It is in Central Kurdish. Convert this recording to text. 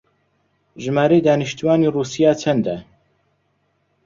ژمارەی دانیشتووانی ڕووسیا چەندە؟